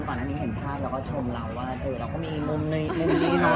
ตอนนี้เห็นภาพเลยคุกผมด้วยชมแบบเราก็มีอีกมุมที่ไม่เย็น์เห็น